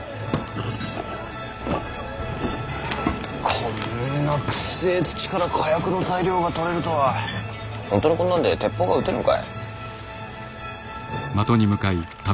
こんなくっせえ土から火薬の材料がとれるとは本当にこんなんで鉄砲が撃てるんか？